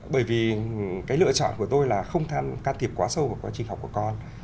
bởi vì cái lựa chọn của tôi là không can thiệp quá sâu vào quá trình học của con